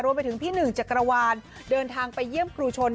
ไปถึงพี่หนึ่งจักรวาลเดินทางไปเยี่ยมครูชน